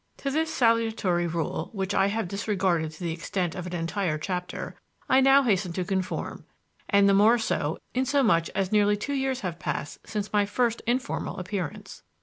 To this salutary rule, which I have disregarded to the extent of an entire chapter, I now hasten to conform; and the more so inasmuch as nearly two years have passed since my first informal appearance.